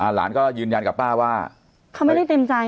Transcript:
หลานก็ยืนยันกับป้าว่าเขาไม่ได้เต็มใจ